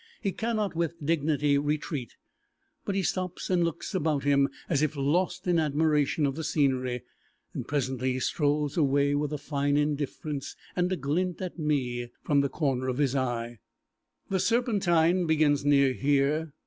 He cannot with dignity retreat, but he stops and looks about him as if lost in admiration of the scenery, and presently he strolls away with a fine indifference and a glint at me from the corner of his eye. The Serpentine begins near here.